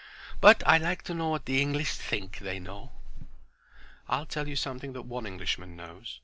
But I like to know what the English think they know." "I'll tell you something that one Englishman knows.